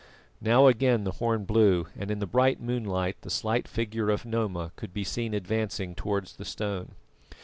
Now again the horn blew, and in the bright moonlight the slight figure of Noma could be seen advancing towards the stone.